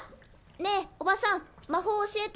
ねえおばさん魔法教えて。